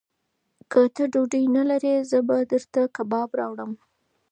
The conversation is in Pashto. که ته ډوډۍ نه لرې، زه به درته کباب راوړم.